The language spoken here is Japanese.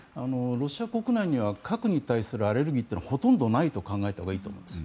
ロシア国内には核に対するアレルギーというのはほとんどないと考えたほうがいいと思います。